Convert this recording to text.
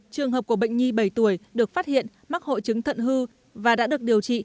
trường hợp của bệnh nhi bảy tuổi được phát hiện mắc hội chứng thận hư và đã được điều trị